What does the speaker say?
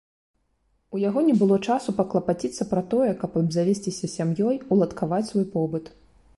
У яго не было часу паклапаціцца пра тое, каб абзавесціся сям'ёй, уладкаваць свой побыт.